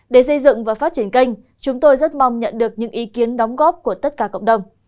để xây dựng và phát triển kênh chúng tôi rất mong nhận được những ý kiến đóng góp của tất cả cộng đồng